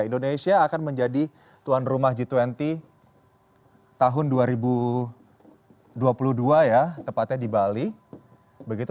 indonesia akan menjadi tuan rumah g dua puluh tahun dua ribu dua puluh dua ya tepatnya di bali begitu